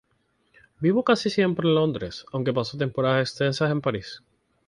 Vivió casi siempre en Londres, aunque pasó temporadas extensas en París.